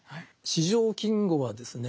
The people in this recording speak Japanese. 四条金吾はですね